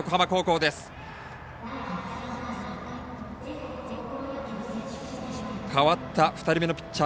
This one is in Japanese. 代わった２人目のピッチャー